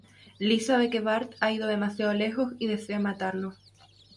Lisa ve que Bart ha ido demasiado lejos y decide matarlo.